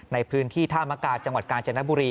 ในพื้นที่ท่ามกาจังหวัดกาญจนบุรี